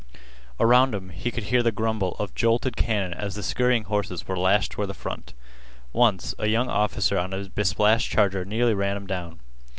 Around him he could hear the grumble of jolted cannon as the scurrying horses were lashed toward the front. Once, a young officer on a besplashed charger nearly ran him down.